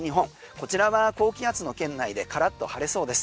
こちらは高気圧の圏内でからっと晴れそうです。